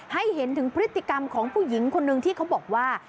ให้เห็นถึงพฤติกรรมของผู้หญิงคนนึงที่เขาบอกว่า